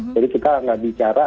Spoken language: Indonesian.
jadi kita nggak bicara